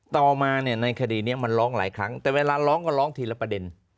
ต่อมาเนี่ยในคดีนี้มันร้องหลายครั้งแต่เวลาร้องก็ร้องทีละประเด็น